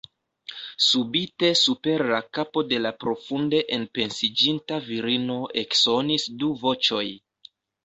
Subite super la kapo de la profunde enpensiĝinta virino eksonis du voĉoj.